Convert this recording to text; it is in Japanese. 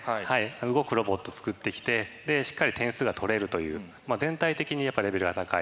動くロボットつくってきてしっかり点数が取れるという全体的にやっぱりレベルが高い。